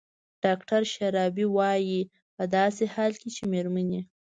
ډاکتر شرابي وايي په داسې حال کې چې مېرمنې